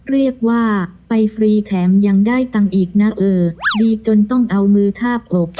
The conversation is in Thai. เรียกว่าไปฟรีแถมยังได้ตังค์อีกนะเออดีจนต้องเอามือทาบอก